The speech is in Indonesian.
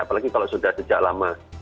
apalagi kalau sudah sejak lama